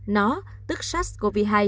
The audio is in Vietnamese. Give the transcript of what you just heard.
nó tức sars cov hai